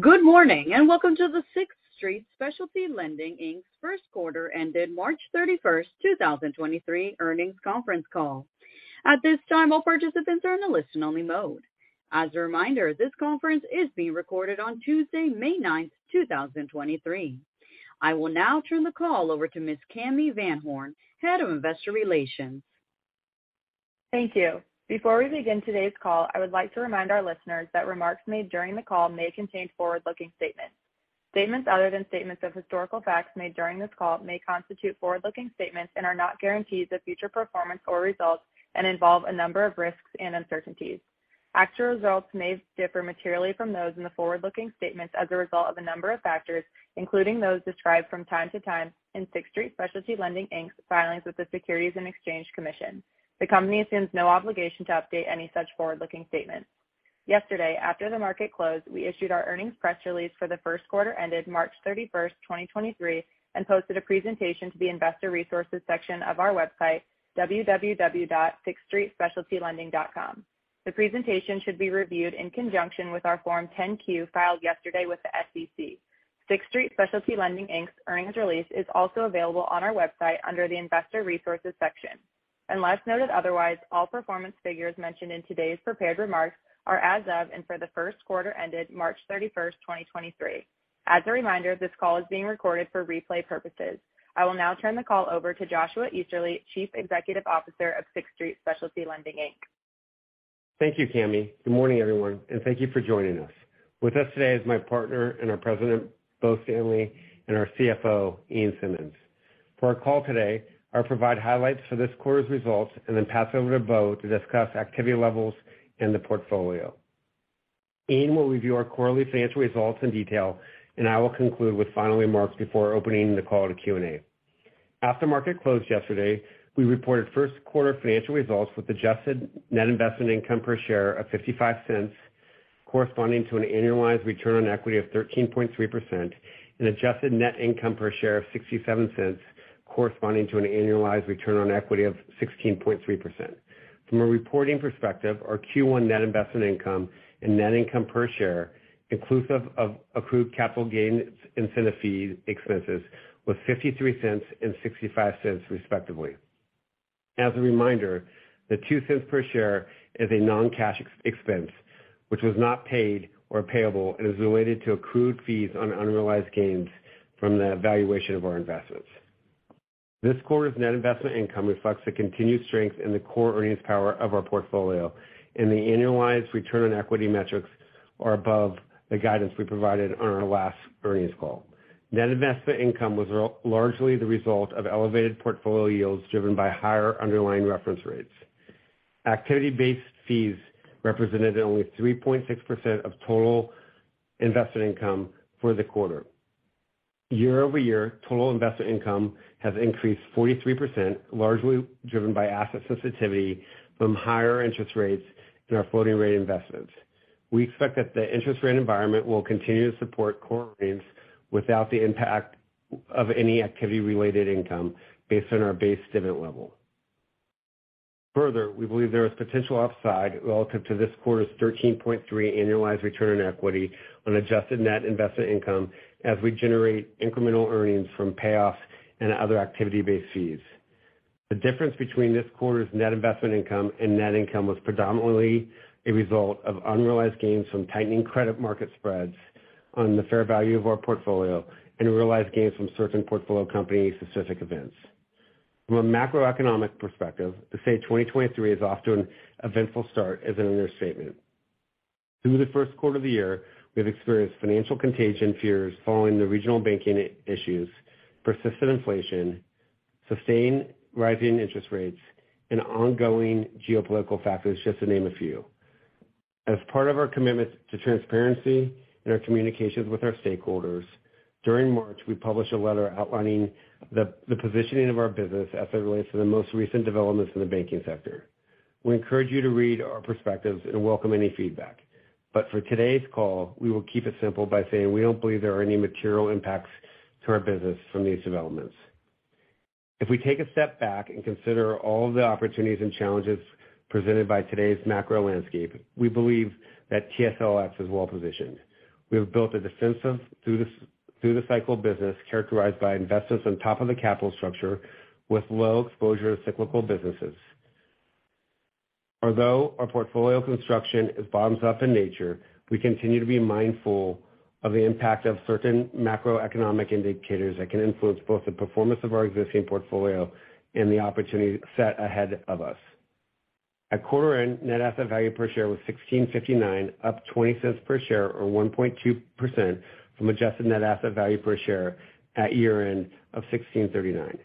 Good morning, welcome to the Sixth Street Specialty Lending, Inc.'s first quarter ended March 31st, 2023 earnings conference call. At this time, all participants are in a listen only mode. As a reminder, this conference is being recorded on Tuesday, May 9th, 2023. I will now turn the call over to Ms. Cami VanHorn, Head of Investor Relations. Thank you. Before we begin today's call, I would like to remind our listeners that remarks made during the call may contain forward-looking statements. Statements other than statements of historical facts made during this call may constitute forward-looking statements and are not guarantees of future performance or results and involve a number of risks and uncertainties. Actual results may differ materially from those in the forward-looking statements as a result of a number of factors, including those described from time to time in Sixth Street Specialty Lending, Inc.'s filings with the Securities and Exchange Commission. The company assumes no obligation to update any such forward-looking statements. Yesterday, after the market closed, we issued our earnings press release for the first quarter ended March 31st, 2023, and posted a presentation to the investor resources section of our website, www.sixthstreetspecialtylending.com. The presentation should be reviewed in conjunction with our Form 10-Q filed yesterday with the SEC. Sixth Street Specialty Lending, Inc.'s earnings release is also available on our website under the Investor Resources section. Unless noted otherwise, all performance figures mentioned in today's prepared remarks are as of and for the first quarter ended March 31st, 2023. As a reminder, this call is being recorded for replay purposes. I will now turn the call over to Joshua Easterly, Chief Executive Officer of Sixth Street Specialty Lending, Inc. Thank you, Cami. Good morning, everyone, and thank you for joining us. With us today is my partner and our President, Bo Stanley, and our CFO, Ian Simmonds. For our call today, I'll provide highlights for this quarter's results and then pass over to Bo to discuss activity levels in the portfolio. Ian will review our quarterly financial results in detail, and I will conclude with final remarks before opening the call to Q&A. After market closed yesterday, we reported first quarter financial results with adjusted net investment income per share of $0.55, corresponding to an annualized return on equity of 13.3% and adjusted net income per share of $0.67, corresponding to an annualized return on equity of 16.3%. From a reporting perspective, our Q1 net investment income and net income per share, inclusive of accrued capital gain incentive fee expenses, was $0.53 and $0.65, respectively. As a reminder, the $0.02 per share is a non-cash expense which was not paid or payable and is related to accrued fees on unrealized gains from the valuation of our investments. This quarter's net investment income reflects the continued strength in the core earnings power of our portfolio, and the annualized ROE metrics are above the guidance we provided on our last earnings call. Net investment income was largely the result of elevated portfolio yields driven by higher underlying reference rates. Activity-based fees represented only 3.6% of total invested income for the quarter. Year-over-year, total invested income has increased 43%, largely driven by asset sensitivity from higher interest rates in our floating rate investments. We expect that the interest rate environment will continue to support core rates without the impact of any activity related income based on our base dividend level. Further, we believe there is potential upside relative to this quarter's 13.3% annualized return on equity on adjusted net investment income as we generate incremental earnings from payoffs and other activity-based fees. The difference between this quarter's net investment income and net income was predominantly a result of unrealized gains from tightening credit market spreads on the fair value of our portfolio and realized gains from certain portfolio company specific events. From a macroeconomic perspective, to say 2023 is off to an eventful start is an understatement. Through the first quarter of the year, we've experienced financial contagion fears following the regional banking issues, persistent inflation, sustained rising interest rates, and ongoing geopolitical factors, just to name a few. As part of our commitment to transparency in our communications with our stakeholders, during March, we published a letter outlining the positioning of our business as it relates to the most recent developments in the banking sector. We encourage you to read our perspectives and welcome any feedback. For today's call, we will keep it simple by saying we don't believe there are any material impacts to our business from these developments. If we take a step back and consider all the opportunities and challenges presented by today's macro landscape, we believe that TSLX is well-positioned. We have built a defensive through the cycle business characterized by investors on top of the capital structure with low exposure to cyclical businesses. Although our portfolio construction is bottoms-up in nature, we continue to be mindful of the impact of certain macroeconomic indicators that can influence both the performance of our existing portfolio and the opportunity set ahead of us. At quarter-end, net asset value per share was $16.59, up $0.20 per share or 1.2% from adjusted net asset value per share at year-end of $16.39.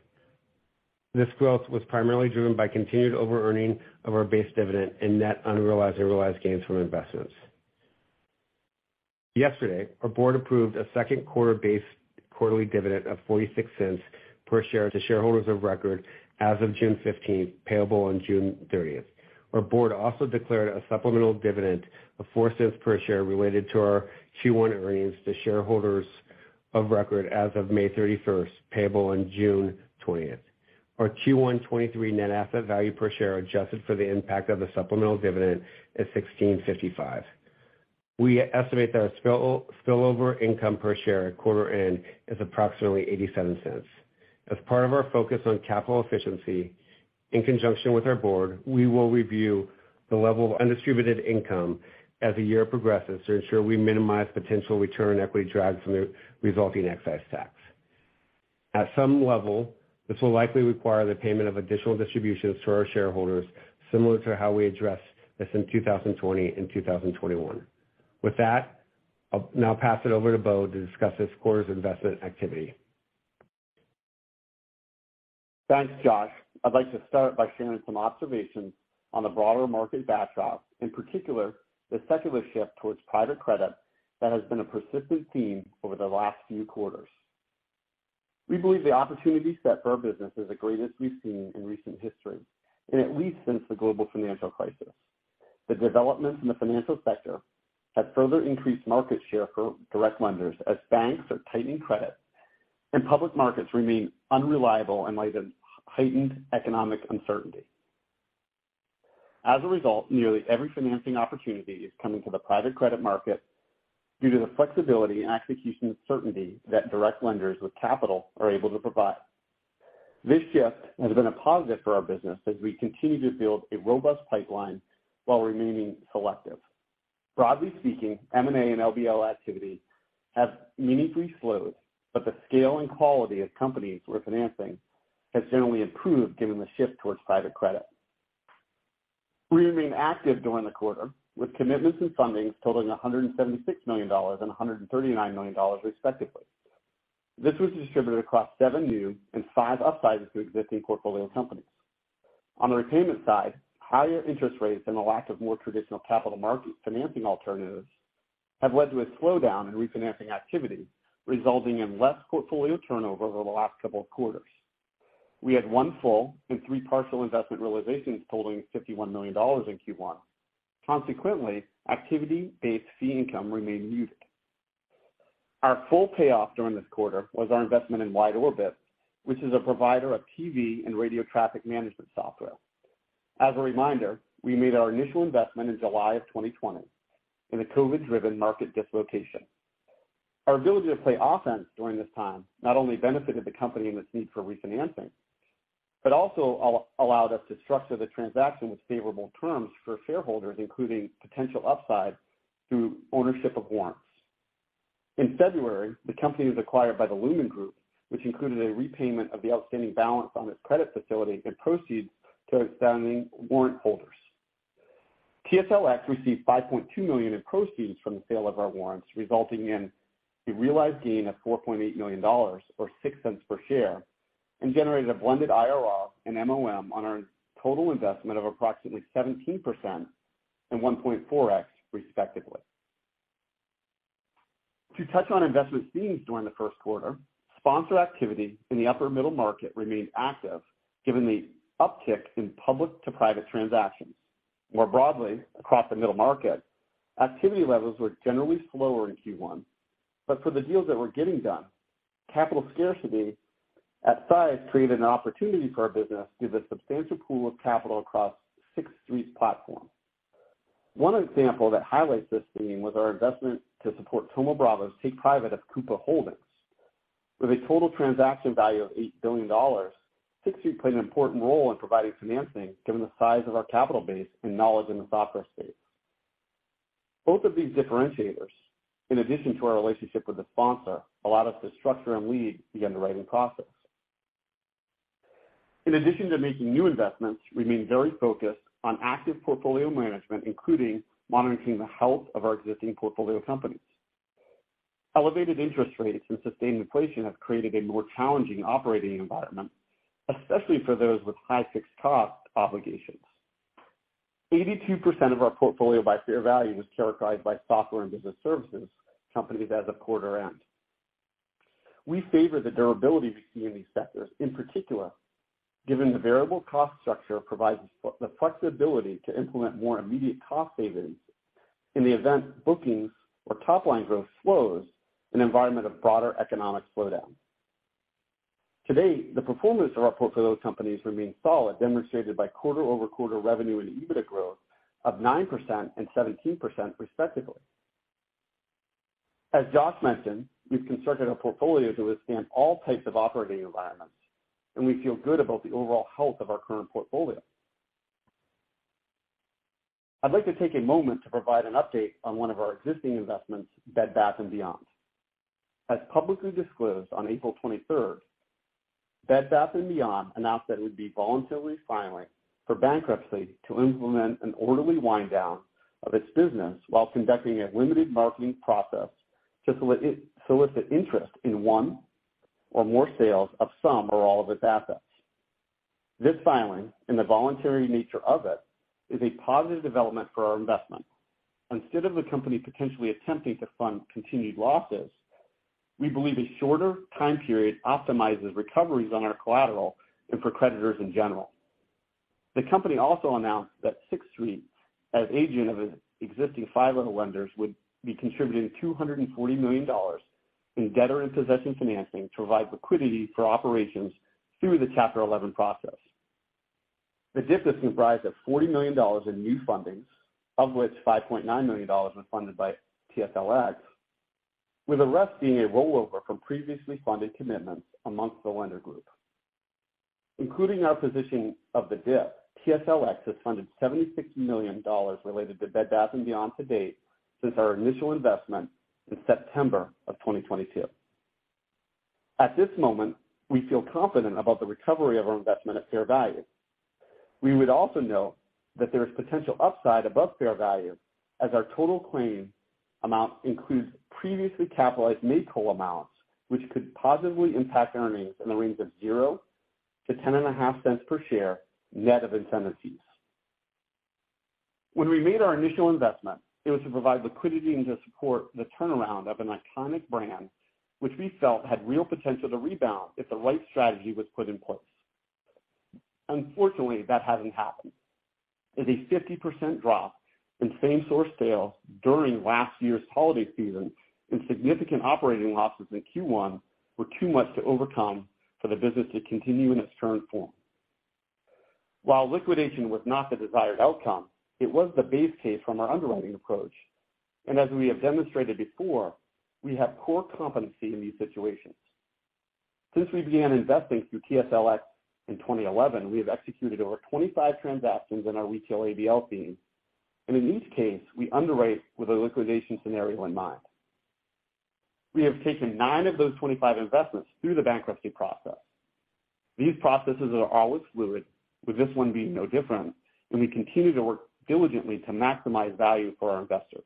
This growth was primarily driven by continued overearning of our base dividend and net unrealized and realized gains from investments. Yesterday, our board approved a second quarter base quarterly dividend of $0.46 per share to shareholders of record as of June 15th, payable on June 30th. Our board also declared a supplemental dividend of $0.04 per share related to our Q1 earnings to shareholders of record as of May 31st, payable on June 20th. Our Q1 2023 net asset value per share adjusted for the impact of the supplemental dividend is $16.55. We estimate that our spillover income per share at quarter end is approximately $0.87. As part of our focus on capital efficiency, in conjunction with our board, we will review the level of undistributed income as the year progresses to ensure we minimize potential return equity drag from the resulting excise tax. At some level, this will likely require the payment of additional distributions to our shareholders, similar to how we addressed this in 2020 and 2021. With that, I'll now pass it over to Bo to discuss this quarter's investment activity. Thanks, Josh. I'd like to start by sharing some observations on the broader market backdrop, in particular, the secular shift towards private credit that has been a persistent theme over the last few quarters. We believe the opportunity set for our business is the greatest we've seen in recent history, at least since the global financial crisis. The developments in the financial sector have further increased market share for direct lenders as banks are tightening credit and public markets remain unreliable in light of heightened economic uncertainty. As a result, nearly every financing opportunity is coming to the private credit market due to the flexibility and execution certainty that direct lenders with capital are able to provide. This shift has been a positive for our business as we continue to build a robust pipeline while remaining selective. Broadly speaking, M&A and LBO activity have meaningfully slowed, but the scale and quality of companies we're financing has generally improved given the shift towards private credit. We remain active during the quarter, with commitments and fundings totaling $176 million and $139 million, respectively. This was distributed across seven new and five upsizes to existing portfolio companies. On the repayment side, higher interest rates and the lack of more traditional capital market financing alternatives have led to a slowdown in refinancing activity, resulting in less portfolio turnover over the last couple of quarters. We had one full and three partial investment realizations totaling $51 million in Q1. Consequently, activity-based fee income remained muted. Our full payoff during this quarter was our investment in WideOrbit, which is a provider of TV and radio traffic management software. As a reminder, we made our initial investment in July of 2020 in a COVID-driven market dislocation. Our ability to play offense during this time not only benefited the company in its need for refinancing, but also allowed us to structure the transaction with favorable terms for shareholders, including potential upside through ownership of warrants. In February, the company was acquired by the Lumen Group, which included a repayment of the outstanding balance on its credit facility and proceeds to outstanding warrant holders. TSLX received $5.2 million in proceeds from the sale of our warrants, resulting in a realized gain of $4.8 million, or $0.06 per share, and generated a blended IRR and MOM on our total investment of approximately 17% and 1.4x, respectively. To touch on investment themes during the first quarter, sponsor activity in the upper middle market remained active given the uptick in public-to-private transactions. More broadly, across the middle market, activity levels were generally slower in Q1, but for the deals that were getting done, capital scarcity at size created an opportunity for our business due to a substantial pool of capital across Sixth Street's platform. One example that highlights this theme was our investment to support Thoma Bravo's take private of Coupa Software. With a total transaction value of $8 billion, Sixth Street played an important role in providing financing given the size of our capital base and knowledge in the software space. Both of these differentiators, in addition to our relationship with the sponsor, allowed us to structure and lead the underwriting process. In addition to making new investments, we remain very focused on active portfolio management, including monitoring the health of our existing portfolio companies. Elevated interest rates and sustained inflation have created a more challenging operating environment, especially for those with high fixed cost obligations. 82% of our portfolio by fair value was characterized by software and business services companies as of quarter end. We favor the durability we see in these sectors, in particular, given the variable cost structure provides the flexibility to implement more immediate cost savings in the event bookings or top-line growth slows in an environment of broader economic slowdown. To date, the performance of our portfolio companies remains solid, demonstrated by quarter-over-quarter revenue and EBITDA growth of 9% and 17% respectively. As Josh mentioned, we've constructed a portfolio to withstand all types of operating environments, and we feel good about the overall health of our current portfolio. I'd like to take a moment to provide an update on one of our existing investments, Bed Bath & Beyond. As publicly disclosed on April 23rd, Bed Bath & Beyond announced that it would be voluntarily filing for bankruptcy to implement an orderly wind down of its business while conducting a limited marketing process to solicit interest in one or more sales of some or all of its assets. This filing, and the voluntary nature of it, is a positive development for our investment. Instead of the company potentially attempting to fund continued losses, we believe a shorter time period optimizes recoveries on our collateral and for creditors in general. The company also announced that Sixth Street, as agent of existing five other lenders, would be contributing $240 million in debtor-in-possession financing to provide liquidity for operations through the Chapter 11 process. The DIP is comprised of $40 million in new fundings, of which $5.9 million was funded by TSLX, with the rest being a rollover from previously funded commitments amongst the lender group. Including our position of the DIP, TSLX has funded $76 million related to Bed Bath & Beyond to date since our initial investment in September 2022. At this moment, we feel confident about the recovery of our investment at fair value. We would also note that there is potential upside above fair value as our total claim amount includes previously capitalized made whole amounts which could positively impact earnings in the range of zero-10 and a half cents per share net of incentive fees. When we made our initial investment, it was to provide liquidity and to support the turnaround of an iconic brand which we felt had real potential to rebound if the right strategy was put in place. Unfortunately, that hasn't happened. With a 50% drop in same-source sales during last year's holiday season and significant operating losses in Q1 were too much to overcome for the business to continue in its current form. While liquidation was not the desired outcome, it was the base case from our underwriting approach. As we have demonstrated before, we have core competency in these situations. Since we began investing through TSLX in 2011, we have executed over 25 transactions in our retail ABL team. In each case, we underwrite with a liquidation scenario in mind. We have taken nine of those 25 investments through the bankruptcy process. These processes are always fluid, with this one being no different. We continue to work diligently to maximize value for our investors.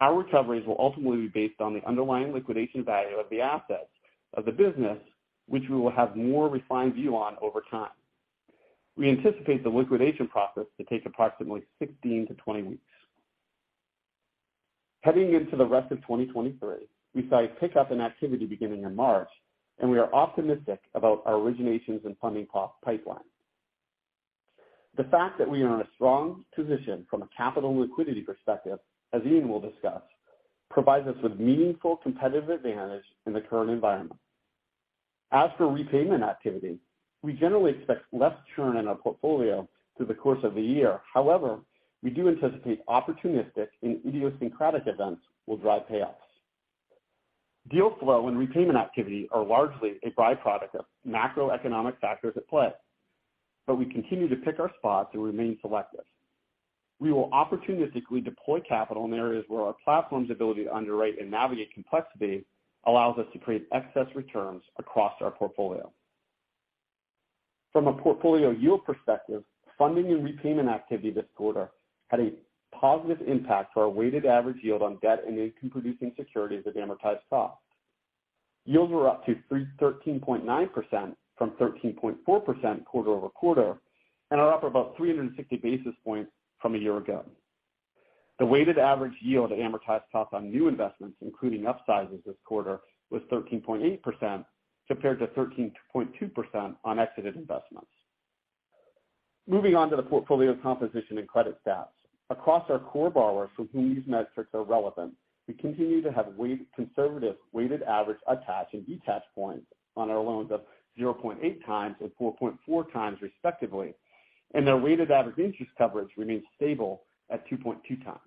Our recoveries will ultimately be based on the underlying liquidation value of the assets of the business which we will have more refined view on over time. We anticipate the liquidation process to take approximately 16-20 weeks. Heading into the rest of 2023, we saw a pickup in activity beginning in March. We are optimistic about our originations and funding costs pipeline. The fact that we are in a strong position from a capital and liquidity perspective, as Ian will discuss, provides us with meaningful competitive advantage in the current environment. As for repayment activity, we generally expect less churn in our portfolio through the course of the year. However, we do anticipate opportunistic and idiosyncratic events will drive payoffs. Deal flow and repayment activity are largely a byproduct of macroeconomic factors at play, but we continue to pick our spots and remain selective. We will opportunistically deploy capital in areas where our platform's ability to underwrite and navigate complexity allows us to create excess returns across our portfolio. From a portfolio yield perspective, funding and repayment activity this quarter had a positive impact to our weighted average yield on debt and income-producing securities of amortized cost. Yields were up to 13.9% from 13.4% quarter-over-quarter and are up about 360 basis points from a year ago. The weighted average yield of amortized cost on new investments, including upsizes this quarter, was 13.8% compared to 13.2% on exited investments. Moving on to the portfolio composition and credit stats. Across our core borrowers for whom these metrics are relevant, we continue to have conservative weighted average attach and detach points on our loans of 0.8x and 4.4x respectively, and their weighted average interest coverage remains stable at 2.2x.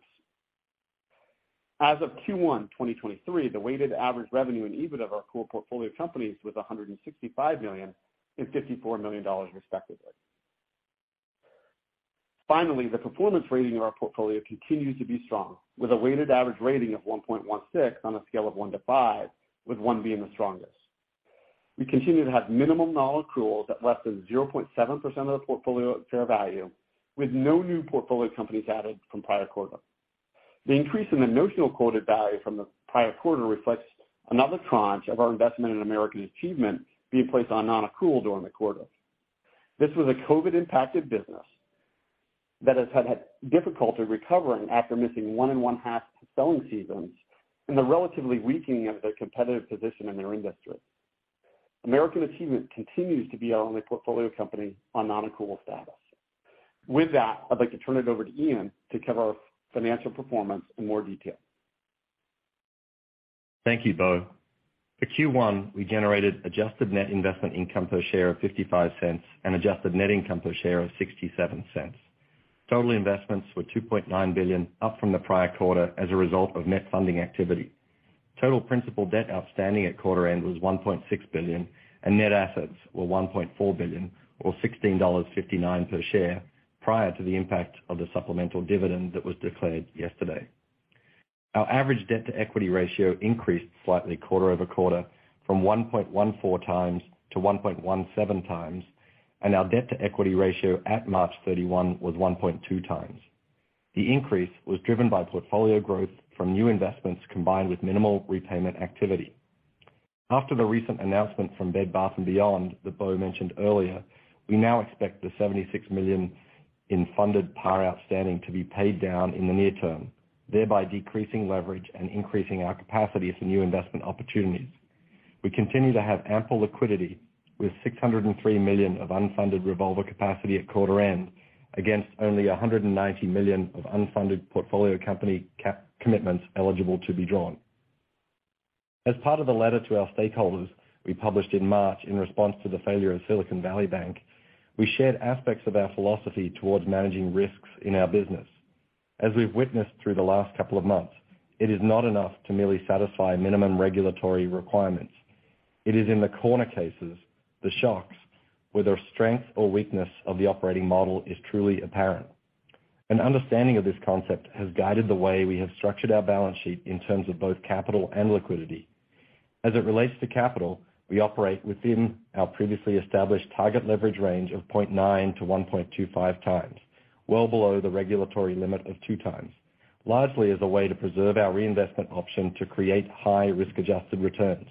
As of Q1 2023, the weighted average revenue and EBIT of our core portfolio of companies was $165 million and $54 million, respectively. Finally, the performance rating of our portfolio continues to be strong, with a weighted average rating of 1.16 on a scale of one to five, with one being the strongest. We continue to have minimum non-accruals at less than 0.7% of the portfolio at fair value, with no new portfolio companies added from prior quarter. The increase in the notional quoted value from the prior quarter reflects another tranche of our investment in American Achievement being placed on non-accrual during the quarter. This was a COVID-impacted business that has had difficulty recovering after missing 1.5 selling seasons and the relatively weakening of their competitive position in their industry. American Achievement continues to be our only portfolio company on non-accrual status. With that, I'd like to turn it over to Ian to cover our financial performance in more detail. Thank you, Bo. For Q1, we generated adjusted net investment income per share of $0.55 and adjusted net income per share of $0.67. Total investments were $2.9 billion, up from the prior quarter as a result of net funding activity. Total principal debt outstanding at quarter end was $1.6 billion. Net assets were $1.4 billion or $16.59 per share prior to the impact of the supplemental dividend that was declared yesterday. Our average debt-to-equity ratio increased slightly quarter-over-quarter from 1.14x to 1.17x. Our debt-to-equity ratio at March 31 was 1.2x. The increase was driven by portfolio growth from new investments combined with minimal repayment activity. After the recent announcement from Bed Bath & Beyond that Bo mentioned earlier, we now expect the $76 million in funded par outstanding to be paid down in the near term, thereby decreasing leverage and increasing our capacity for new investment opportunities. We continue to have ample liquidity with $603 million of unfunded revolver capacity at quarter end against only $190 million of unfunded portfolio company cap commitments eligible to be drawn. As part of the letter to our stakeholders we published in March in response to the failure of Silicon Valley Bank, we shared aspects of our philosophy towards managing risks in our business. As we've witnessed through the last couple of months, it is not enough to merely satisfy minimum regulatory requirements. It is in the corner cases, the shocks, where the strength or weakness of the operating model is truly apparent. An understanding of this concept has guided the way we have structured our balance sheet in terms of both capital and liquidity. As it relates to capital, we operate within our previously established target leverage range of 0.9-1.25x, well below the regulatory limit of 2x, largely as a way to preserve our reinvestment option to create high risk-adjusted returns.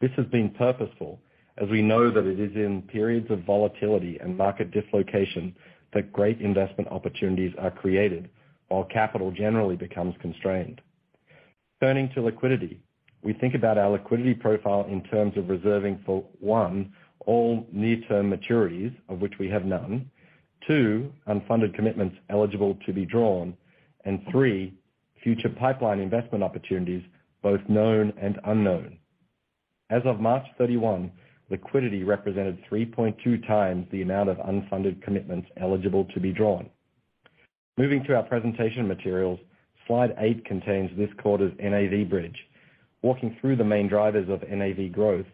This has been purposeful as we know that it is in periods of volatility and market dislocation that great investment opportunities are created while capital generally becomes constrained. Turning to liquidity, we think about our liquidity profile in terms of reserving for, 1, all near-term maturities, of which we have none. 2, unfunded commitments eligible to be drawn. 3, future pipeline investment opportunities, both known and unknown. As of March 31, liquidity represented 3.2x the amount of unfunded commitments eligible to be drawn. Moving to our presentation materials. Slide eight contains this quarter's NAV bridge. Walking through the main drivers of NAV growth,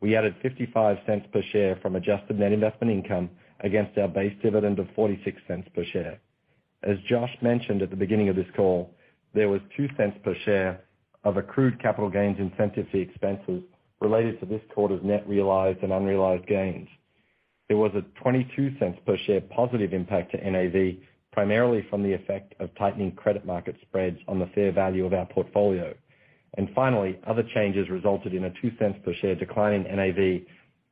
we added $0.55 per share from adjusted net investment income against our base dividend of $0.46 per share. As Josh mentioned at the beginning of this call, there was $0.02 per share of accrued capital gains incentive fee expenses related to this quarter's net realized and unrealized gains. There was a $0.22 per share positive impact to NAV, primarily from the effect of tightening credit market spreads on the fair value of our portfolio. Finally, other changes resulted in a $0.02 per share decline in NAV,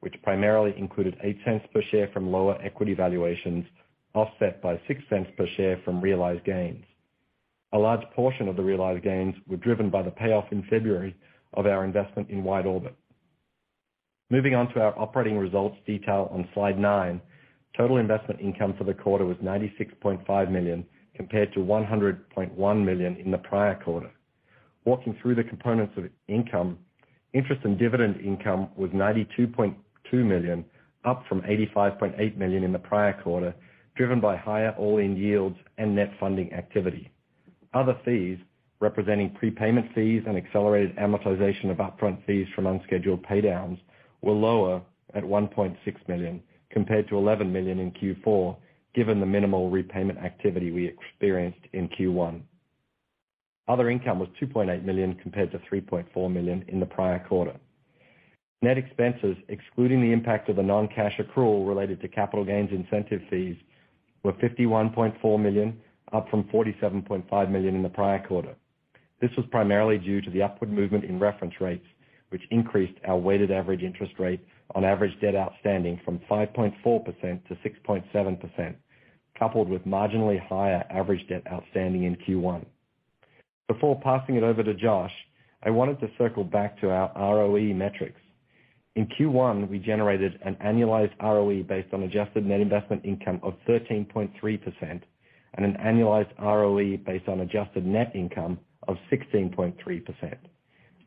which primarily included $0.08 per share from lower equity valuations, offset by $0.06 per share from realized gains. A large portion of the realized gains were driven by the payoff in February of our investment in WideOrbit. Moving on to our operating results detail on slide nine. Total investment income for the quarter was $96.5 million compared to $100.1 million in the prior quarter. Walking through the components of income, interest and dividend income was $92.2 million, up from $85.8 million in the prior quarter, driven by higher all-in yields and net funding activity. Other fees representing prepayment fees and accelerated amortization of upfront fees from unscheduled pay downs were lower at $1.6 million compared to $11 million in Q4, given the minimal repayment activity we experienced in Q1. Other income was $2.8 million compared to $3.4 million in the prior quarter. Net expenses, excluding the impact of the non-cash accrual related to capital gains incentive fees were $51.4 million, up from $47.5 million in the prior quarter. This was primarily due to the upward movement in reference rates, which increased our weighted average interest rate on average debt outstanding from 5.4% to 6.7%, coupled with marginally higher average debt outstanding in Q1. Before passing it over to Josh, I wanted to circle back to our ROE metrics. In Q1, we generated an annualized ROE based on adjusted net investment income of 13.3% and an annualized ROE based on adjusted net income of 16.3%.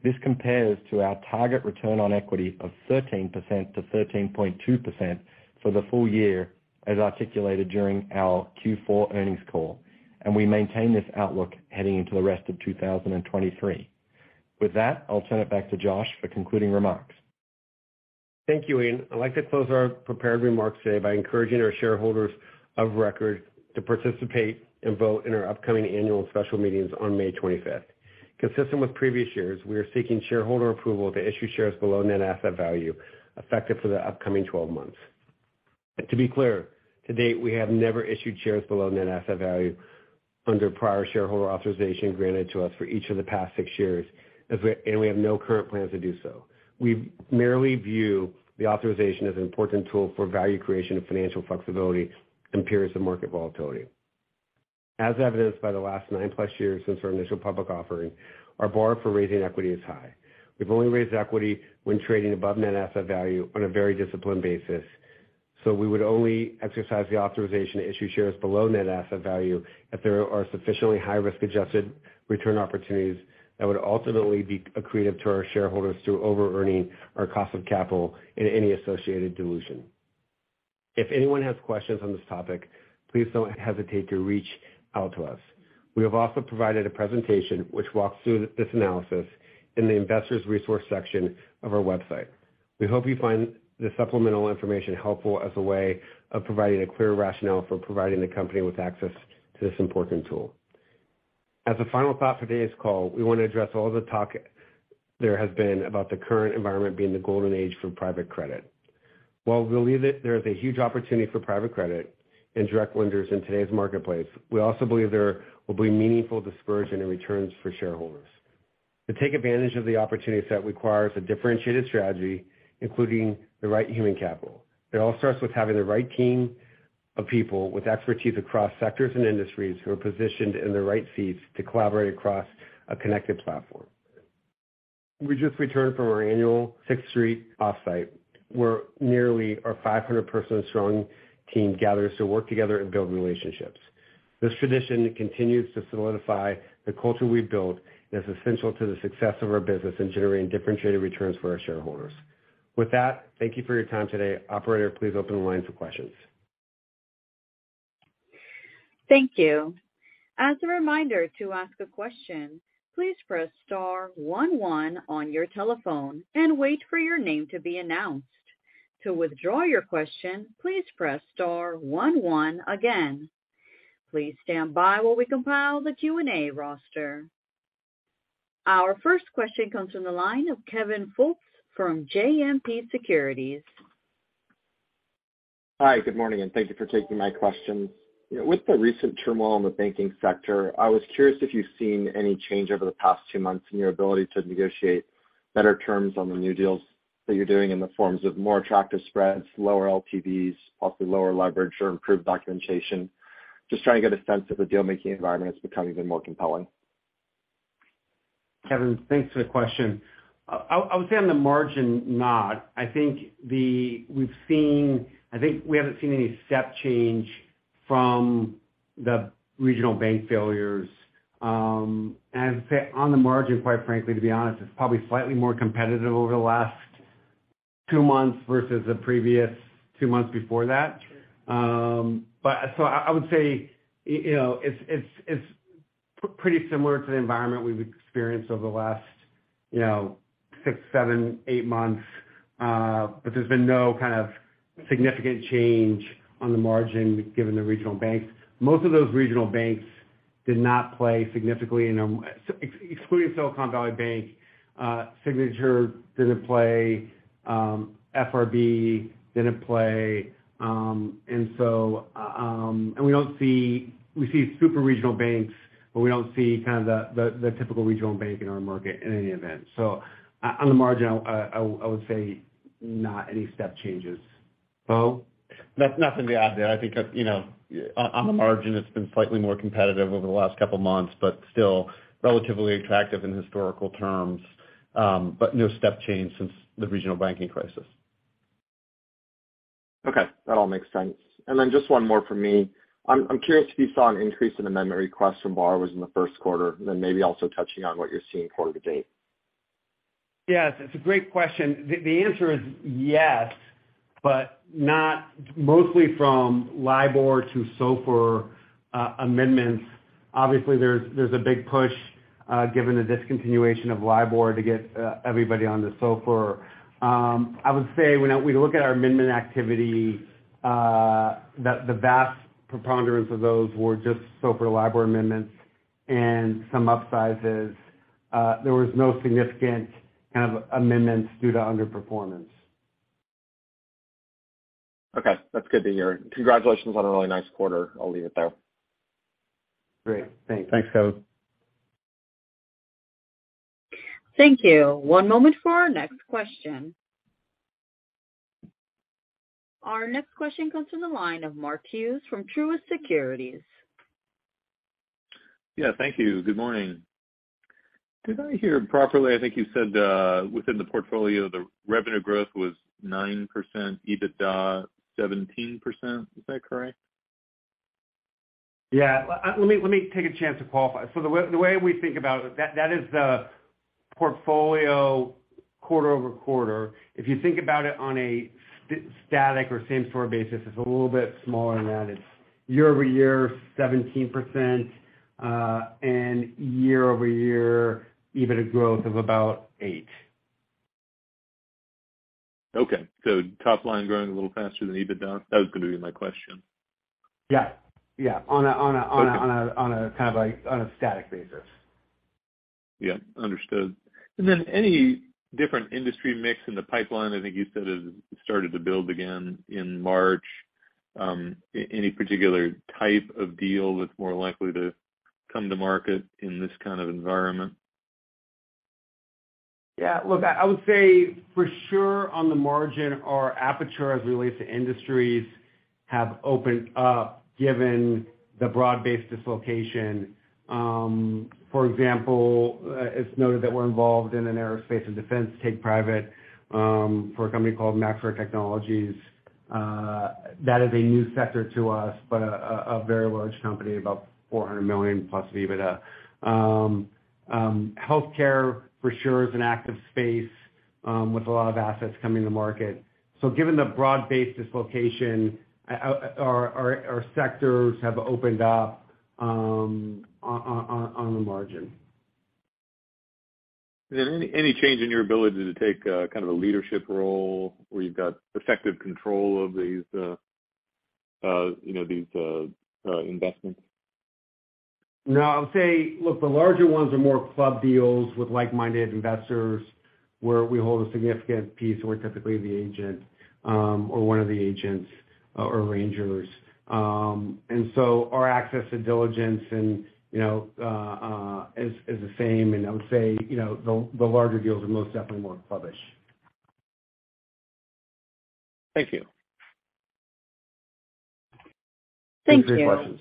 This compares to our target return on equity of 13%-13.2% for the full year as articulated during our Q4 earnings call. We maintain this outlook heading into the rest of 2023. With that, I'll turn it back to Josh for concluding remarks. Thank you, Ian. I'd like to close our prepared remarks today by encouraging our shareholders of record to participate and vote in our upcoming annual and special meetings on May 25th. Consistent with previous years, we are seeking shareholder approval to issue shares below net asset value effective for the upcoming 12 months. To be clear, to date, we have never issued shares below net asset value under prior shareholder authorization granted to us for each of the past six years, and we have no current plans to do so. We merely view the authorization as an important tool for value creation and financial flexibility in periods of market volatility. As evidenced by the last nine plus years since our initial public offering, our bar for raising equity is high. We've only raised equity when trading above net asset value on a very disciplined basis. We would only exercise the authorization to issue shares below net asset value if there are sufficiently high risk-adjusted return opportunities that would ultimately be accretive to our shareholders through over-earning our cost of capital in any associated dilution. If anyone has questions on this topic, please don't hesitate to reach out to us. We have also provided a presentation which walks through this analysis in the investor's resource section of our website. We hope you find this supplemental information helpful as a way of providing a clear rationale for providing the company with access to this important tool. As a final thought for today's call, we wanna address all the talk there has been about the current environment being the golden age for private credit. While we believe that there is a huge opportunity for private credit and direct lenders in today's marketplace, we also believe there will be meaningful dispersion in returns for shareholders. To take advantage of the opportunities that requires a differentiated strategy, including the right human capital. It all starts with having the right team of people with expertise across sectors and industries who are positioned in the right seats to collaborate across a connected platform. We just returned from our annual Sixth Street offsite, where nearly our 500-person strong team gathers to work together and build relationships. This tradition continues to solidify the culture we've built and is essential to the success of our business in generating differentiated returns for our shareholders. With that, thank you for your time today. Operator, please open the line for questions. Thank you. As a reminder, to ask a question, please press star one one on your telephone and wait for your name to be announced. To withdraw your question, please press star one one again. Please stand by while we compile the Q&A roster. Our first question comes from the line of Kevin Fultz from JMP Securities. Hi, good morning, and thank you for taking my questions. With the recent turmoil in the banking sector, I was curious if you've seen any change over the past two months in your ability to negotiate better terms on the new deals that you're doing in the forms of more attractive spreads, lower LTVs, possibly lower leverage, or improved documentation. Just trying to get a sense if the deal-making environment has become even more compelling. Kevin, thanks for the question. I would say on the margin, not. I think we haven't seen any step change from the regional bank failures. I'd say on the margin, quite frankly, to be honest, it's probably slightly more competitive over the last two months versus the previous two months before that. I would say, you know, it's pretty similar to the environment we've experienced over the last, you know, six, seven, eight months. There's been no kind of significant change on the margin given the regional banks. Most of those regional banks did not play significantly excluding Silicon Valley Bank, Signature didn't play, FRB didn't play. We see super regional banks, but we don't see kind of the typical regional bank in our market in any event. On the margin, I would say not any step changes. Bo? Nothing to add there. I think, you know, on the margin, it's been slightly more competitive over the last couple of months, but still relatively attractive in historical terms. No step change since the regional banking crisis. Okay, that all makes sense. Just one more from me. I'm curious if you saw an increase in amendment requests from borrowers in the first quarter, maybe also touching on what you're seeing quarter to date? Yes, it's a great question. The answer is yes, but not mostly from LIBOR to SOFR amendments. Obviously, there's a big push given the discontinuation of LIBOR to get everybody onto SOFR. I would say when we look at our amendment activity, that the vast preponderance of those were just SOFR-LIBOR amendments and some upsizes. There was no significant kind of amendments due to underperformance. Okay. That's good to hear. Congratulations on a really nice quarter. I'll leave it there. Great. Thanks. Thanks, Kevin. Thank you. One moment for our next question. Our next question comes from the line of Mark Hughes from Truist Securities. Yeah, thank you. Good morning. Did I hear properly? I think you said, within the portfolio, the revenue growth was 9%, EBITDA 17%. Is that correct? Yeah. Let me take a chance to qualify. The way we think about it, that is the portfolio quarter-over-quarter. If you think about it on a static or same-store basis, it's a little bit smaller than that. It's year-over-year, 17%, and year-over-year, EBITDA growth of about 8%. Okay. Top line growing a little faster than EBITDA. That was gonna be my question? Yeah. Yeah. Okay. On a kind of like on a static basis. Yeah, understood. Any different industry mix in the pipeline? I think you said it started to build again in March. Any particular type of deal that's more likely to come to market in this kind of environment? Yeah. Look, I would say for sure on the margin, our aperture as it relates to industries have opened up given the broad-based dislocation. For example, it's noted that we're involved in an aerospace and defense take private for a company called Maxar Technologies. That is a new sector to us, but a very large company, about $400 million-plus EBITDA. Healthcare for sure is an active space with a lot of assets coming to market. Given the broad-based dislocation, our sectors have opened up on the margin. Is there any change in your ability to take, kind of a leadership role where you've got effective control of these, you know, these, investments? No, I would say, look, the larger ones are more club deals with like-minded investors where we hold a significant piece and we're typically the agent, or one of the agents or arrangers. So our access to diligence and, you know, is the same. I would say, you know, the larger deals are most definitely more clubbish. Thank you. Thank you. Those are my three questions.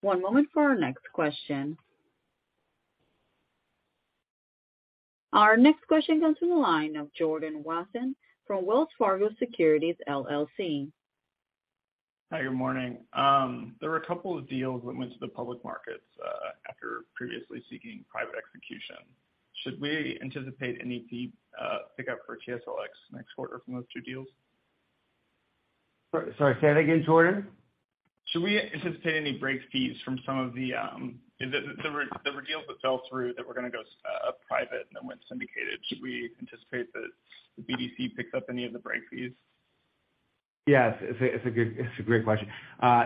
One moment for our next question. Our next question goes to the line of Jordan Wathen from Wells Fargo Securities LLC. Hi, good morning. There were a couple of deals that went to the public markets, after previously seeking private execution. Should we anticipate any fee, pickup for TSLX next quarter from those two deals? Sorry, say that again, Jordan. Should we anticipate any break fees from some of the? There were deals that fell through that were gonna go private and then went syndicated. Should we anticipate that the BDC picks up any of the break fees? Yes, it's a great question.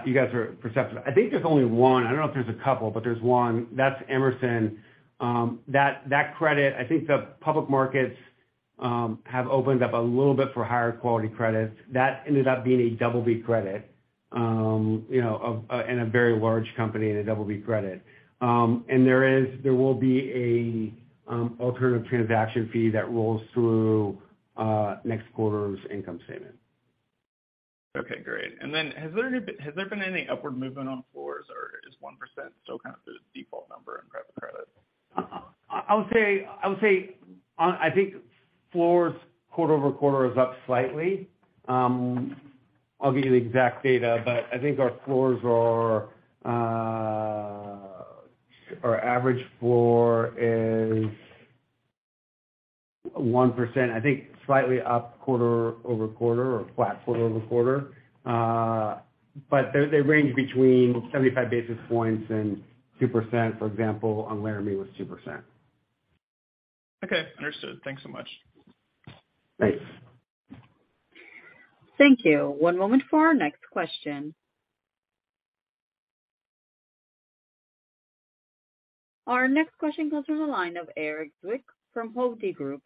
You guys are perceptive. I think there's only one. I don't know if there's a couple, but there's one. That's Emerson. That credit, I think the public markets have opened up a little bit for higher quality credits. That ended up being a double B credit, you know, and a very large company and a double B credit. And there will be an alternative transaction fee that rolls through next quarter's income statement. Okay, great. Has there been any upward movement on floors, or is 1% still kind of the default number in private credit? I would say, I think floors quarter-over-quarter is up slightly. I'll give you the exact data, but I think our floors are. Our average floor is 1%. I think slightly up quarter-over-quarter or flat quarter-over-quarter. They range between 75 basis points and 2%. For example, on Laramie was 2%. Okay, understood. Thanks so much. Thanks. Thank you. One moment for our next question. Our next question goes to the line of Erik Zwick from Hovde Group.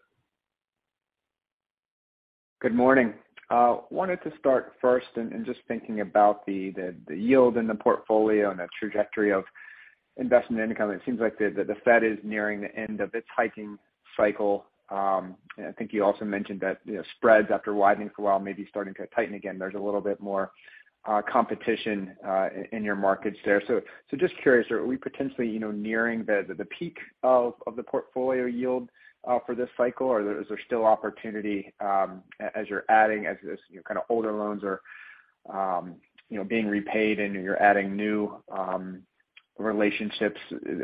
Good morning. wanted to start first and just thinking about the yield in the portfolio and the trajectory of investment income. It seems like the Fed is nearing the end of its hiking cycle. I think you also mentioned that, you know, spreads after widening for a while may be starting to tighten again. There's a little bit more competition in your markets there. just curious, are we potentially, you know, nearing the peak of the portfolio yield for this cycle? Or is there still opportunity as you're adding, as this, you know, kind of older loans are, you know, being repaid and you're adding new relationships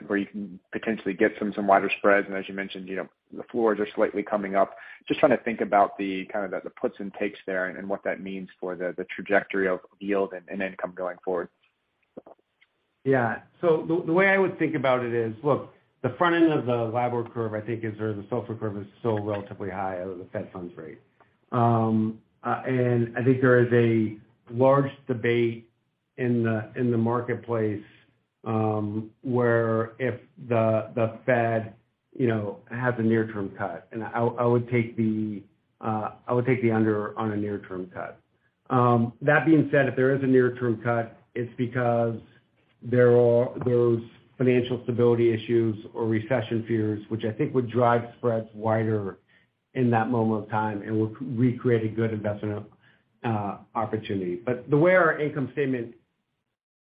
where you can potentially get some wider spreads. As you mentioned, you know, the floors are slightly coming up. Just trying to think about the kind of the puts and takes there and what that means for the trajectory of yield and income going forward. Yeah. The way I would think about it is, look, the front end of the SOFR forward curve, or the SOFR curve is still relatively high out of the Fed funds rate. And I think there is a large debate in the marketplace where if the Fed, you know, has a near term cut, and I would take the under on a near term cut. That being said, if there is a near term cut, it's because there are those financial stability issues or recession fears, which I think would drive spreads wider in that moment of time and will recreate a good investment opportunity. The way our income statement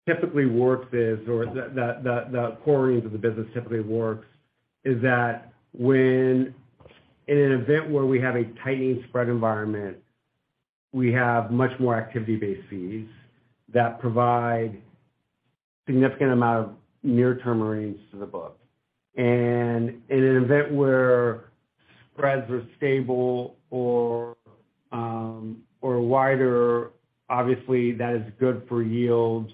typically works is, or the core earnings of the business typically works is that when in an event where we have a tightening spread environment, we have much more activity-based fees that provide significant amount of near-term earnings to the book. In an event where spreads are stable or wider, obviously that is good for yields,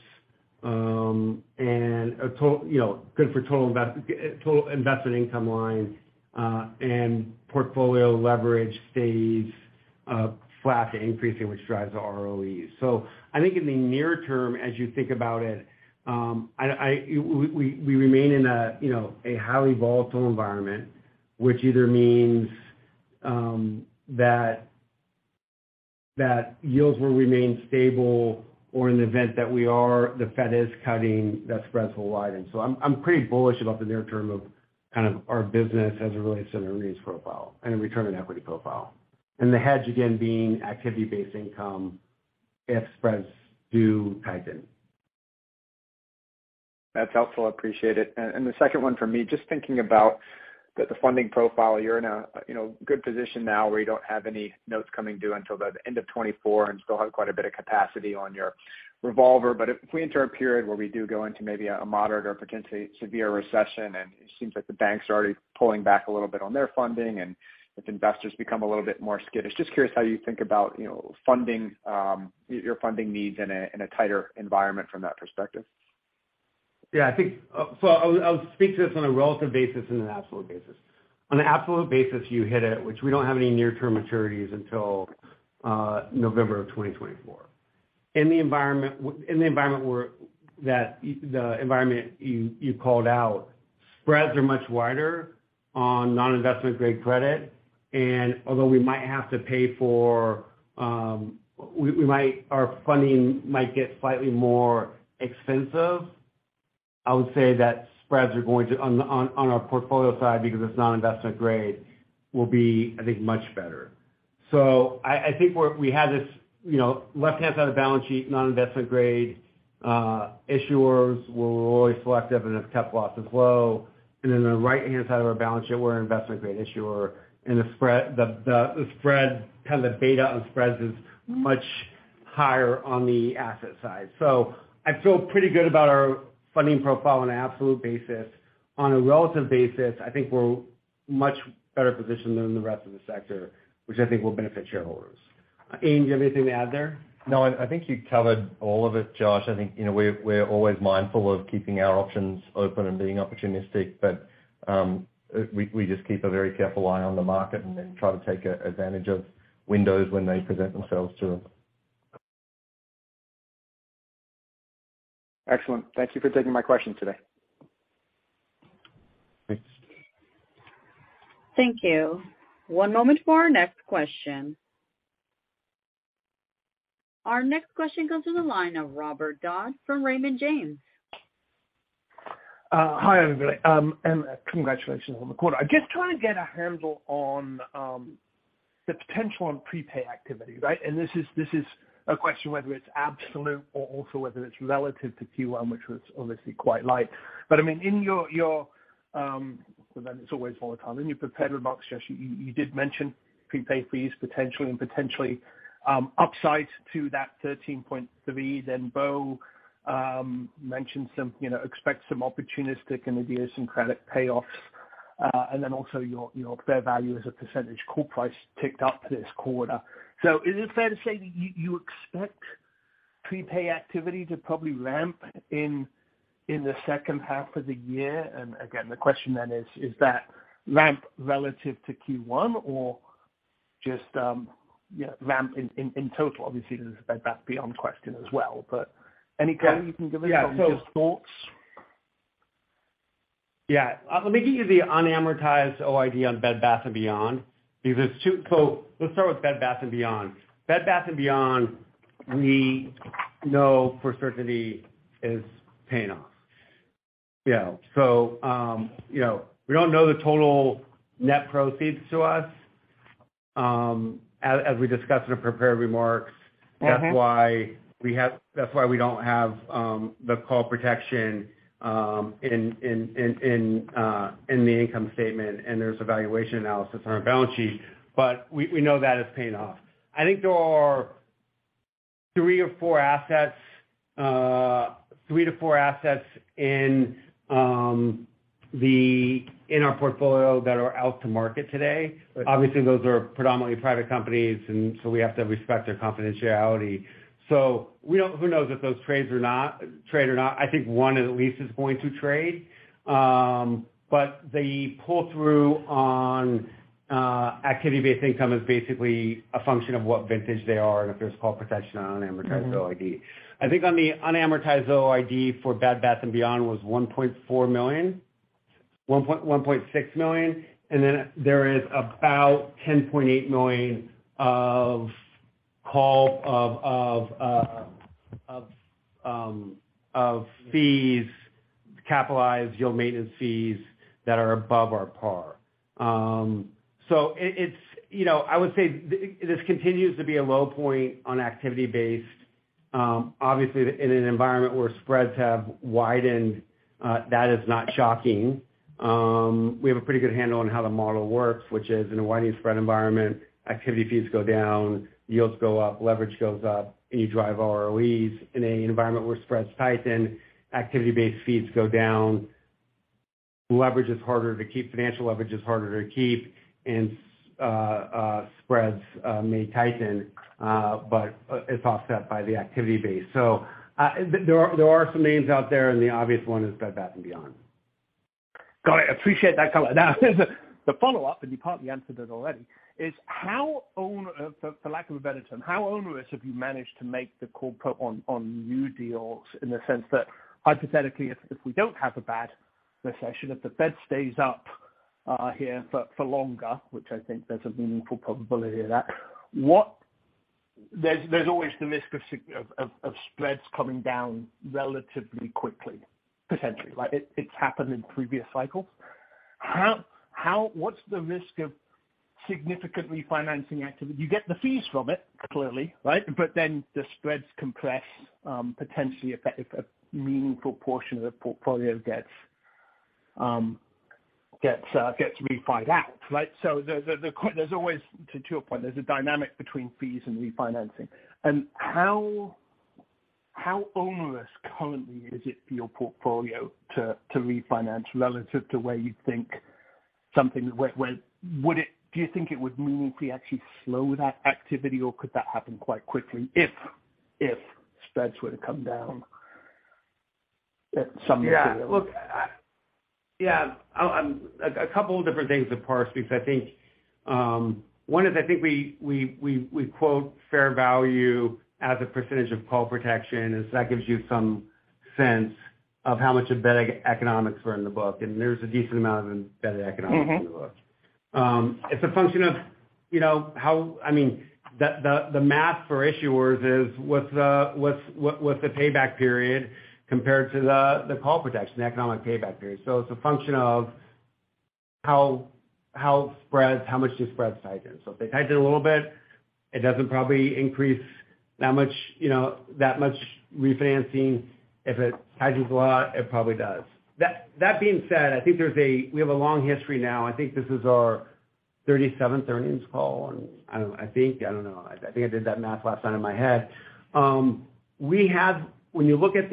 and you know, good for total invested income lines, and portfolio leverage stays flat to increasing, which drives the ROE. I think in the near term, as you think about it, we remain in a, you know, a highly volatile environment, which either means that yields will remain stable or in the event that we are, the Fed is cutting, that spreads will widen. I'm pretty bullish about the near term of kind of our business as it relates to the earnings profile and return on equity profile. The hedge again being activity-based income if spreads do tighten. That's helpful. I appreciate it. The second one for me, just thinking about the funding profile. You're in a, you know, good position now where you don't have any notes coming due until the end of 2024 and still have quite a bit of capacity on your revolver. If we enter a period where we do go into maybe a moderate or potentially severe recession, and it seems like the banks are already pulling back a little bit on their funding, and if investors become a little bit more skittish, just curious how you think about, you know, funding your funding needs in a tighter environment from that perspective? I think, I'll speak to this on a relative basis and an absolute basis. On an absolute basis, you hit it, which we don't have any near-term maturities until November of 2024. In the environment you called out, spreads are much wider on non-investment grade credit. Although we might have to pay for, our funding might get slightly more expensive, I would say that spreads are going to on our portfolio side because it's non-investment grade will be, I think, much better. I think we have this, you know, left-hand side of the balance sheet, non-investment grade issuers where we're always selective and have kept losses low. The right-hand side of our balance sheet, we're an investment-grade issuer and the spread, kind of the beta on spreads is much higher on the asset side. I feel pretty good about our funding profile on an absolute basis. On a relative basis, I think we're much better positioned than the rest of the sector, which I think will benefit shareholders. Ian, do you have anything to add there? No. I think you covered all of it, Josh. I think, you know, we're always mindful of keeping our options open and being opportunistic. We just keep a very careful eye on the market and then try to take advantage of windows when they present themselves to us. Excellent. Thank you for taking my question today. Thanks. Thank you. One moment for our next question. Our next question comes from the line of Robert Dodd from Raymond James. Hi, everybody, congratulations on the quarter. I'm just trying to get a handle on the potential on prepay activity, right? This is a question whether it's absolute or also whether it's relative to Q1, which was obviously quite light. I mean, in your, well then it's always volatile. In your prepared remarks, Josh, you did mention prepay fees potentially and potentially, upside to that 13.3. Bo mentioned some, you know, expect some opportunistic and idiosyncratic payoffs, and then also your fair value as a percentage core price ticked up this quarter. Is it fair to say that you expect prepay activity to probably ramp in the second half of the year? Again, the question then is that ramp relative to Q1 or just, you know, ramp in total? Obviously, there's a Bed Bath & Beyond question as well. Any color you can give us on just thoughts? Yeah. Let me give you the unamortized OID on Bed Bath & Beyond because so let's start with Bed Bath & Beyond. Bed Bath & Beyond we know for certainty is paying off. You know, we don't know the total net proceeds to us, as we discussed in the prepared remarks. Mm-hmm. That's why we don't have the call protection in the income statement and there's a valuation analysis on our balance sheet. We know that is paying off. I think there are three or four assets, three to four assets in our portfolio that are out to market today. Obviously, those are predominantly private companies, we have to respect their confidentiality. Who knows if those trade or not. I think one at least is going to trade. The pull-through on activity-based income is basically a function of what vintage they are and if there's call protection on unamortized OID. I think on the unamortized OID for Bed Bath & Beyond was $1.4 million-$1.6 million, and then there is about $10.8 million of call of fees, capitalized yield maintenance fees that are above our par. It's, you know, I would say this continues to be a low point on activity-based. Obviously in an environment where spreads have widened, that is not shocking. We have a pretty good handle on how the model works, which is in a widening spread environment, activity fees go down, yields go up, leverage goes up, and you drive ROEs. In an environment where spreads tighten, activity-based fees go down, leverage is harder to keep, financial leverage is harder to keep, and spreads may tighten, but it's offset by the activity-based. There are some names out there, and the obvious one is Bed Bath & Beyond. Got it. Appreciate that color. The follow-up, and you partly answered it already, is how for lack of a better term, how onerous have you managed to make the call put on new deals in the sense that hypothetically if we don't have a bad recession, if the Fed stays up here for longer, which I think there's a meaningful probability of that. There's always the risk of spreads coming down relatively quickly, potentially, right? It's happened in previous cycles. How what's the risk of significant refinancing activity? You get the fees from it, clearly, right? The spreads compress potentially if a meaningful portion of the portfolio gets refied out, right? There's always, to your point, there's a dynamic between fees and refinancing. How onerous currently is it for your portfolio to refinance relative to where you think something would it do you think it would meaningfully actually slow that activity, or could that happen quite quickly if spreads were to come down at some material-? Yeah. Look, yeah. A couple of different things to parse because I think, one is I think we quote fair value as a percentage of call protection. That gives you some sense of how much embedded economics are in the book. There's a decent amount of embedded economics in the book. Mm-hmm. It's a function of, you know, I mean, the math for issuers is what's the payback period compared to the call protection, the economic payback period. It's a function of how spreads, how much do spreads tighten. If they tighten a little bit, it doesn't probably increase that much, you know, that much refinancing. If it tightens a lot, it probably does. That being said, I think there's a long history now. I think this is our 37th earnings call, and I don't know. I think I did that math last time in my head. When you look at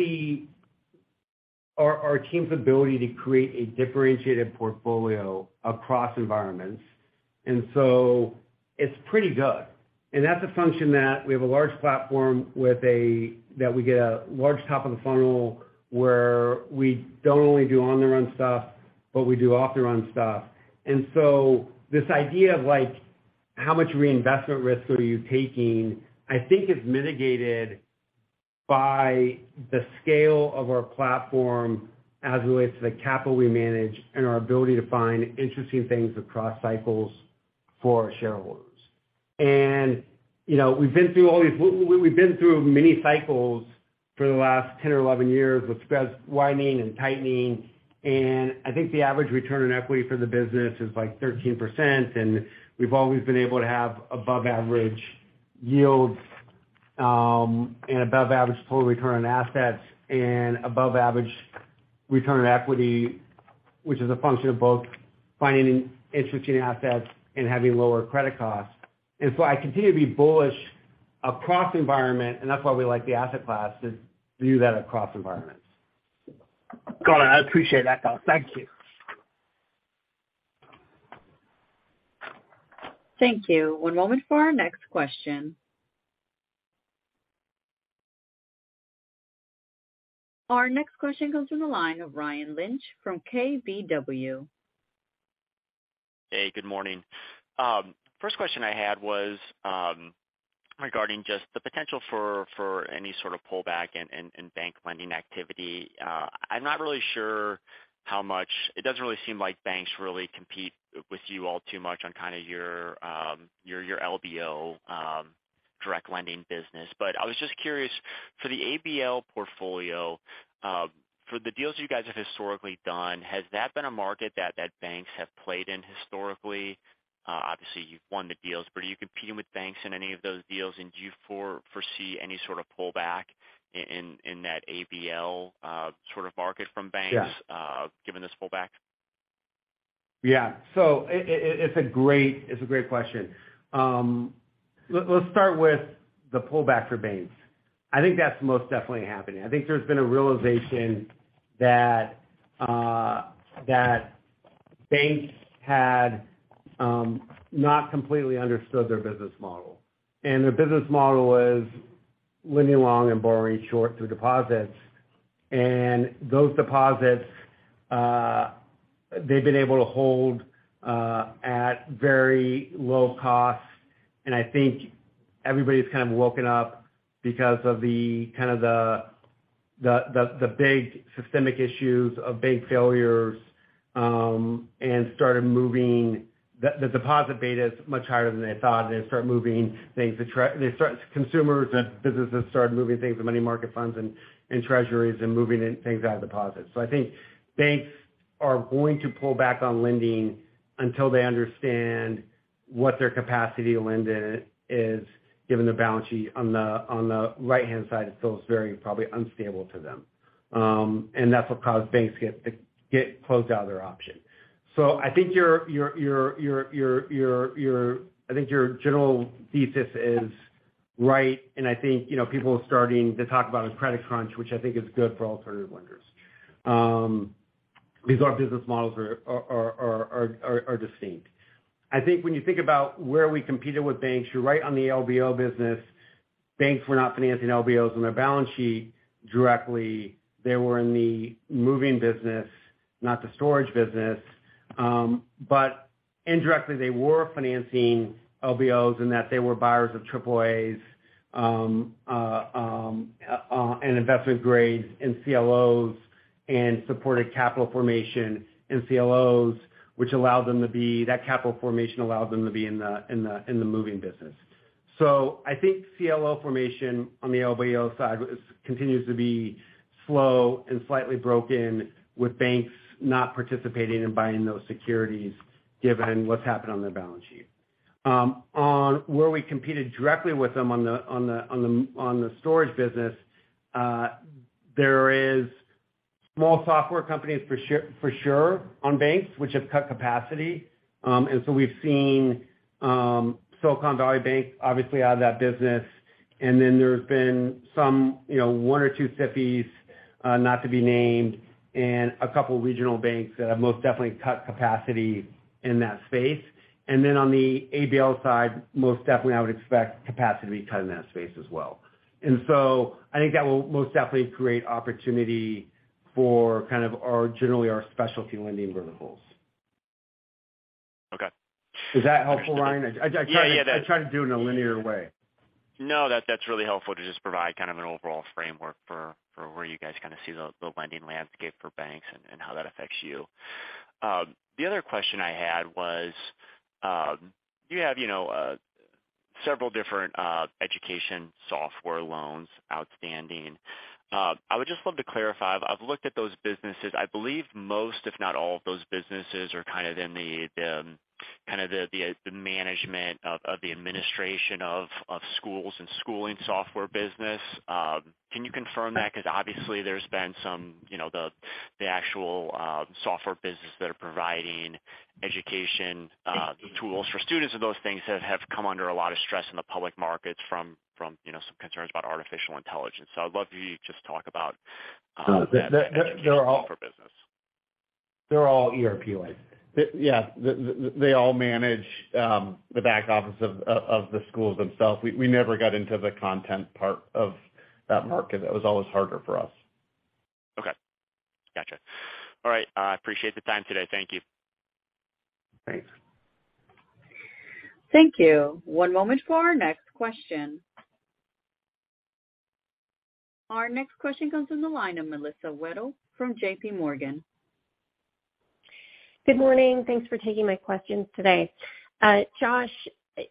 our team's ability to create a differentiated portfolio across environments, it's pretty good. That's a function that we have a large platform with that we get a large top of the funnel where we don't only do on-the-run stuff, but we do off-the-run stuff. This idea of, like, how much reinvestment risk are you taking, I think is mitigated by the scale of our platform as it relates to the capital we manage and our ability to find interesting things across cycles for our shareholders. You know, we've been through all these. We've been through many cycles for the last 10 or 11 years with spreads widening and tightening. I think the average return on equity for the business is, like, 13%. We've always been able to have above average yields, and above average total return on assets and above average return on equity, which is a function of both finding interesting assets and having lower credit costs. I continue to be bullish across environment, and that's why we like the asset class, to view that across environments. Got it. I appreciate that, though. Thank you. Thank you. One moment for our next question. Our next question comes from the line of Ryan Lynch from KBW. Hey, good morning. First question I had was, regarding just the potential for any sort of pullback in bank lending activity. I'm not really sure how much. It doesn't really seem like banks really compete with you all too much on kinda your LBO direct lending business. I was just curious, for the ABL portfolio, for the deals you guys have historically done, has that been a market that banks have played in historically? Obviously, you've won the deals, but are you competing with banks in any of those deals? Do you foresee any sort of pullback in that ABL sort of market from banks? Yeah. given this pullback? Yeah. It's a great question. Let's start with the pullback for banks. I think that's most definitely happening. I think there's been a realization that banks had not completely understood their business model. Their business model is lending long and borrowing short through deposits. Those deposits they've been able to hold at very low costs. I think everybody's kind of woken up because of the kind of the big systemic issues of bank failures. The deposit beta is much higher than they thought, and they start moving things. Consumers and businesses started moving things to money market funds and treasuries and moving things out of deposits. I think banks are going to pull back on lending until they understand what their capacity to lend in it is, given the balance sheet. On the, on the right-hand side, it feels very probably unstable to them. That's what caused banks to get closed out of their option. I think your general thesis is right, and I think, you know, people are starting to talk about a credit crunch, which I think is good for alternative lenders. Because our business models are distinct. I think when you think about where we competed with banks, you're right on the LBO business. Banks were not financing LBOs on their balance sheet directly. They were in the moving business, not the storage business. Indirectly, they were financing LBOs in that they were buyers of triple As and investment grades and CLOs and supported capital formation in CLOs, which that capital formation allowed them to be in the moving business. I think CLO formation on the LBO side is, continues to be slow and slightly broken, with banks not participating in buying those securities given what's happened on their balance sheet. On where we competed directly with them on the storage business, there is small software companies for sure on banks which have cut capacity. We've seen Silicon Valley Bank obviously out of that business. There's been some, you know, one or two SIFIs, not to be named, and a couple regional banks that have most definitely cut capacity in that space. On the ABL side, most definitely I would expect capacity to be cut in that space as well. I think that will most definitely create opportunity for kind of our, generally our specialty lending verticals. Okay. Is that helpful, Ryan? Yeah. I tried to do it in a linear way. No. That's really helpful to just provide kind of an overall framework for where you guys kinda see the lending landscape for banks and how that affects you. The other question I had was, you have, you know, several different education software loans outstanding. I would just love to clarify. I've looked at those businesses. I believe most, if not all of those businesses are kind of in the kind of the management of the administration of schools and schooling software business. Can you confirm that? 'Cause obviously there's been some, you know, the actual software business that are providing education tools for students and those things that have come under a lot of stress in the public markets from, you know, some concerns about artificial intelligence. I would love you to just talk about. They're. for business. They're all ERP-like. Yeah. They all manage the back office of the schools themselves. We never got into the content part of that market. That was always harder for us. Okay. Gotcha. All right. I appreciate the time today. Thank you. Thanks. Thank you. One moment for our next question. Our next question comes from the line of Melissa Wedel from J.P. Morgan. Good morning. Thanks for taking my questions today. Josh,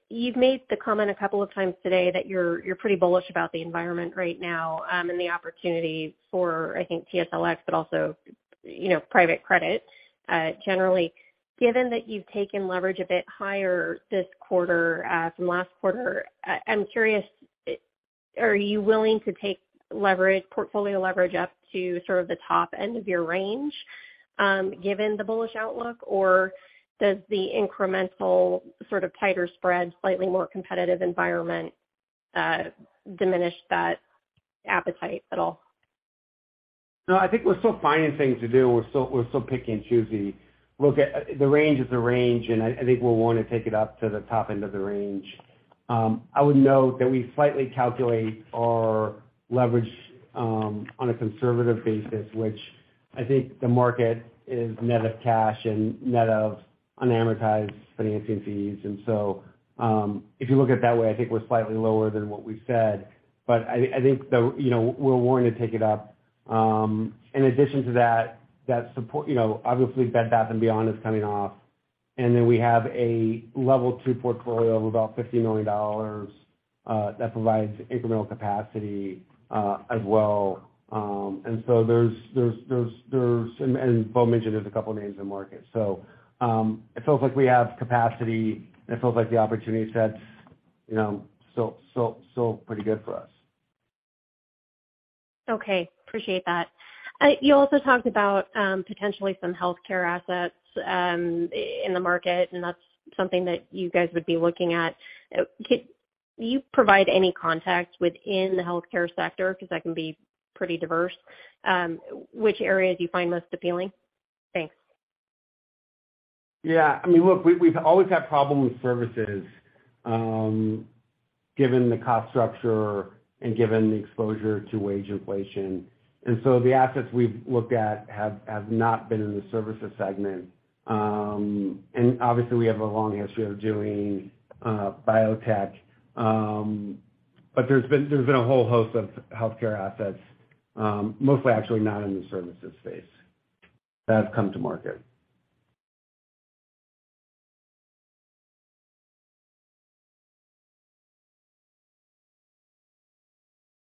you've made the comment a couple of times today that you're pretty bullish about the environment right now, and the opportunity for, I think, TSLX, but also, you know, private credit, generally. Given that you've taken leverage a bit higher this quarter, from last quarter, I'm curious, are you willing to take leverage, portfolio leverage up to sort of the top end of your range, given the bullish outlook? Or does the incremental sort of tighter spread, slightly more competitive environment, diminish that appetite at all? No, I think we're still finding things to do. We're still picky and choosy. The range is the range, I think we're willing to take it up to the top end of the range. I would note that we slightly calculate our leverage on a conservative basis, which I think the market is net of cash and net of unamortized financing fees. If you look at it that way, I think we're slightly lower than what we've said. I think the, you know, we're willing to take it up. In addition to that support, you know, obviously Bed Bath & Beyond is coming off. Then we have a level two portfolio of about $50 million that provides incremental capacity as well. There's. Paul mentioned there's a couple names in market. It feels like we have capacity, and it feels like the opportunity set, you know, still pretty good for us. Okay. Appreciate that. You also talked about potentially some healthcare assets in the market, that's something that you guys would be looking at. Could you provide any context within the healthcare sector? 'Cause that can be pretty diverse. Which areas do you find most appealing? Thanks. Yeah. I mean, look, we've always had problems with services, given the cost structure and given the exposure to wage inflation. The assets we've looked at have not been in the services segment. Obviously we have a long history of doing biotech. There's been a whole host of healthcare assets, mostly actually not in the services space, that have come to market.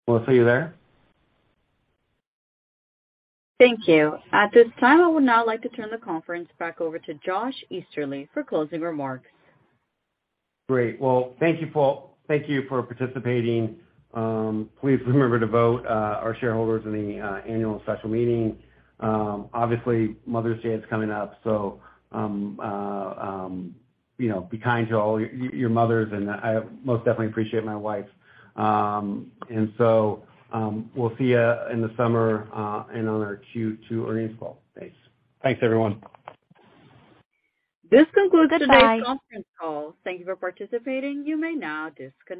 Melissa, are you there? Thank you. At this time, I would now like to turn the conference back over to Joshua Easterly for closing remarks. Great. Well, thank you, Paul. Thank you for participating. Please remember to vote our shareholders in the annual special meeting. Obviously, Mother's Day is coming up, so, you know, be kind to all your mothers, and I most definitely appreciate my wife's. We'll see you in the summer and on our Q2 earnings call. Thanks. Thanks, everyone. This concludes. Bye... today's conference call. Thank you for participating. You may now disconnect.